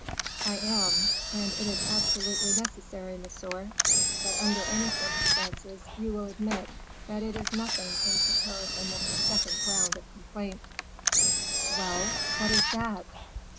"I am. And it is absolutely necessary, monsieur; but under any circumstances, you will admit that it is nothing in comparison with the second ground of complaint." "Well, what is that?"